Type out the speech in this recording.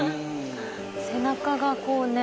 背中がこうね